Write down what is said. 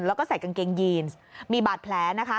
แล้วก็ใส่กางเกงยีนมีบาดแผลนะคะ